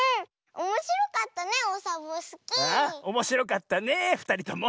おもしろかったねふたりとも。